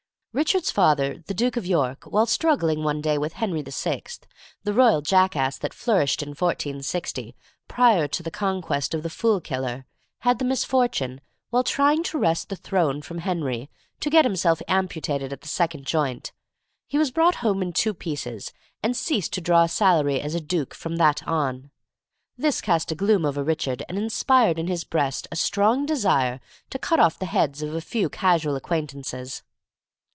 Richard's father, the Duke of York, while struggling one day with Henry VI., the royal jackass that flourished in 1460, prior to the conquest of the Fool Killer, had the misfortune, while trying to wrest the throne from Henry, to get himself amputated at the second joint. He was brought home in two pieces, and ceased to draw a salary as a duke from that on. This cast a gloom over Richard, and inspired in his breast a strong desire to cut off the heads of a few casual acquaintances.